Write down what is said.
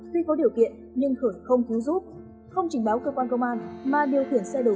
tuy có điều kiện nhưng khởi không cứu giúp không trình báo cơ quan công an mà điều khiển xe đổ